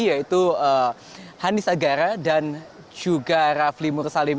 yaitu hanis agara dan juga rafli mursalim